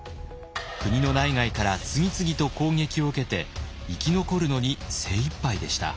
国の内外から次々と攻撃を受けて生き残るのに精いっぱいでした。